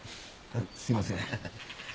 すいません。